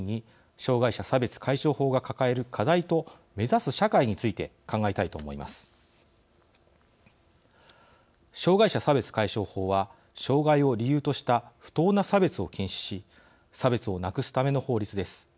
障害者差別解消法は障害を理由とした不当な差別を禁止し差別をなくすための法律です。